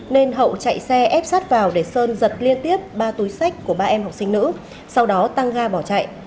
nên hậu chạy xe ép sát vào để sơn giật liên tiếp ba túi sách của ba em học sinh nữ sau đó tăng ga bỏ chạy